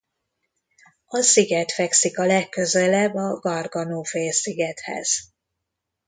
A sziget fekszik a legközelebb a Gargano-félszigethez.